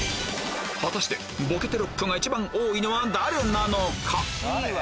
果たしてボケテロップが一番多いのは誰なのか？